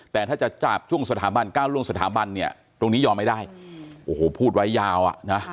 แต่ถ้าจะจาบช่วงสถาบันก้าวล่วงสถาบันเนี่ยตรงนี้ยอมไม่ได้โอ้โหพูดไว้ยาวอ่ะนะ